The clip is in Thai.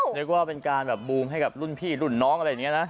นึกว่าเป็นการแบบบูมให้กับรุ่นพี่รุ่นน้องอะไรอย่างนี้นะ